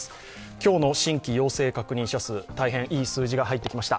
今日の新規陽性確認者数、大変いい数字が入ってきました。